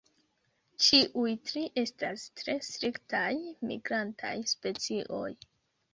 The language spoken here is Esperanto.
Ĉiuj tri estas tre striktaj migrantaj specioj.